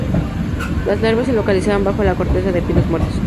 Las larvas se localizan bajo la corteza de pinos muertos.